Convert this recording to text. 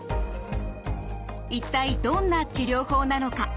一体どんな治療法なのか。